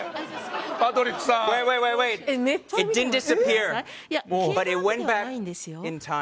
パトリックさん。